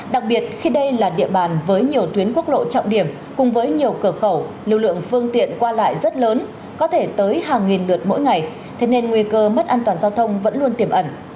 đặc biệt khi đây là địa bàn với nhiều tuyến quốc lộ trọng điểm cùng với nhiều cửa khẩu lưu lượng phương tiện qua lại rất lớn có thể tới hàng nghìn lượt mỗi ngày thế nên nguy cơ mất an toàn giao thông vẫn luôn tiềm ẩn